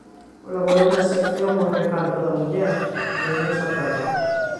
Colaborou na sección "O Recanto da Muller" de "A Nosa Terra".